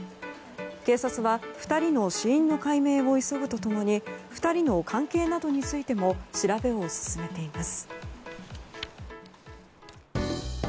警察は２人の死因の解明を急ぐと共に２人の関係などについても調べを進めています。